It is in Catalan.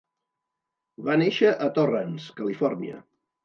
Va néixer a Torrance, Califòrnia.